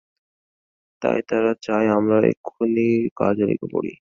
তাই তারা চায় আমরা এক্ষুণি কাজে লেগে পড়ি।